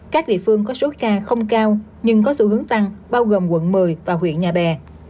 các địa phương có số ca không cao nhưng có xu hướng tăng bao gồm quận một mươi và huyện nhà bè